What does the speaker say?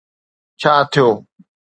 ڇا ٿيو؟